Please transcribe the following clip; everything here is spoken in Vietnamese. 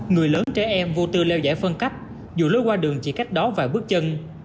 người lớn trẻ em vô tư leo giải phân cách dù lối qua đường chỉ cách đó vài bước chân